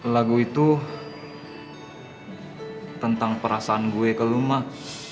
lagu itu tentang perasaan gue ke rumah